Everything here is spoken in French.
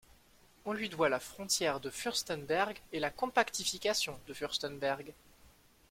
On lui doit la frontière de Furstenberg et la compactification de Furstenberg.